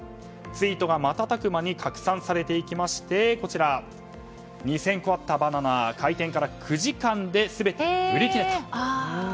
ツイートが瞬く間に拡散されていきまして２０００個あったバナナが開店から９時間で全て売り切れと。